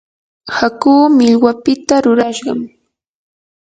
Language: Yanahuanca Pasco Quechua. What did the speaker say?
hakuu millwapita rurashqam.